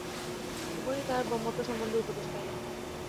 উভয়েই তাঁহাদের ব্রহ্মত্ব সম্বন্ধে উপদেশ পাইলেন।